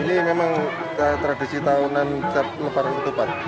ini memang tradisi tahunan leparan utupan